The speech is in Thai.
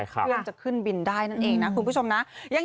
เพื่อนจะขึ้นบินได้นั่นเองนะคุณผู้ชมนะ